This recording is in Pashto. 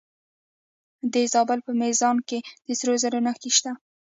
د زابل په میزانه کې د سرو زرو نښې شته.